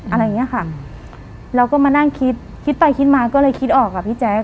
อะไรอย่างเงี้ยค่ะแล้วก็มานั่งคิดคิดไปคิดมาก็เลยคิดออกอ่ะพี่แจ๊ค